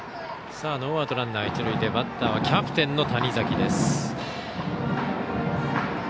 ノーアウトランナー、一塁でバッターはキャプテンの谷崎。